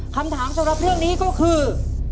คำถามสำหรับเรื่องนี้ก็คือ